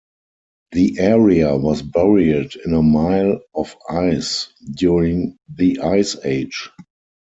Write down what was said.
The area was buried in a mile of ice during the ice age.